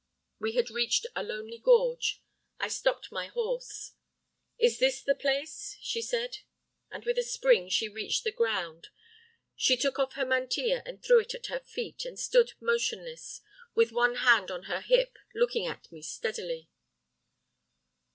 "We had reached a lonely gorge. I stopped my horse. "'Is this the place?' she said. "And with a spring she reached the ground. She took off her mantilla and threw it at her feet, and stood motionless, with one hand on her hip, looking at me steadily.